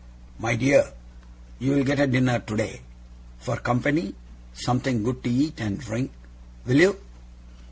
My dear, you'll get a dinner today, for company; something good to eat and drink, will you?